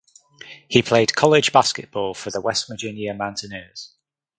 He played college basketball for the West Virginia Mountaineers.